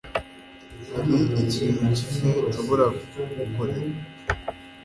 Hari ikintu na kimwe nshobora kugukorera